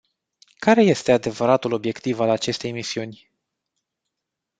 Care este adevăratul obiectiv al acestei misiuni?